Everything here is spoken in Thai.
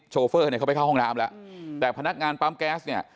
เขาไปเข้าห้องน้ำแล้วอืมแต่พนักงานปั๊มแก๊สเนี่ย